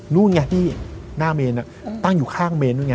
นู่นไงที่หน้าเมนตั้งอยู่ข้างเมนนู่นไง